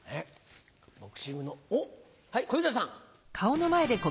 ボクシングのおっ小遊三さん！